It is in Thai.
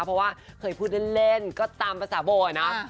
เพราะว่าเคยพูดเล่นก็ตามภาษาโบอะเนาะ